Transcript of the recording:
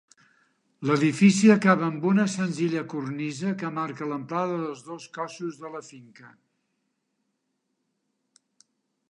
L'edifici acaba amb una senzilla cornisa que marca l'amplada dels dos cóssos de la finca.